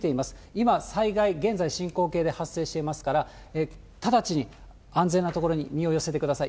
今、災害、現在進行形で発生していますから、直ちに安全な所に身を寄せてください。